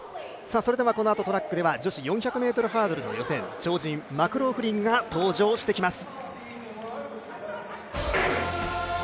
それでこのあとトラックでは女子４００ｍハードルの予選超人・マクローフリンが登場してきます。